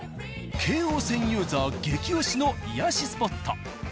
京王線ユーザー激オシの癒しスポット